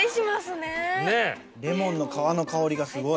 レモンの皮の香りがすごい。